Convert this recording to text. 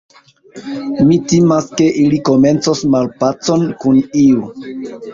Mi timas, ke ili komencos malpacon kun iu.